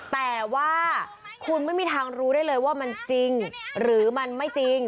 แต่ว่าคุณไม่มีทางรู้ได้เลยว่ามันจริงหรือมันไม่จริง